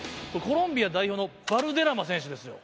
コロンビア代表のバルデラマ選手ですよ。